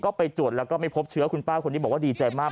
ก็ไปตรวจแล้วก็ไม่พบเชื้อคุณป้าคนนี้บอกว่าดีใจมาก